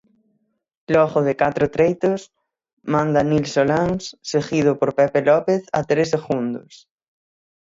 Logo de catro treitos, manda Nil Solans, seguido por Pepe López a tres segundos.